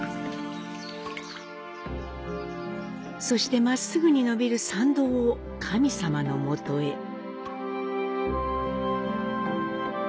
そして真っすぐに伸びる参道を神様のもとへ。